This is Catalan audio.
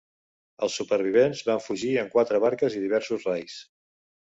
Els supervivents van fugir en quatre barques i diversos rais.